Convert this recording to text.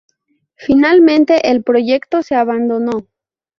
Finalmente, el proyecto se abandonó.